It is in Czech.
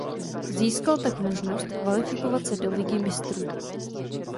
Získal tak možnost kvalifikovat se do Ligy mistrů.